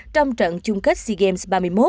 trong trận chung kết sea games ba mươi một